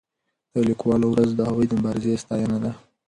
د لیکوالو ورځ د هغوی د مبارزې ستاینه ده.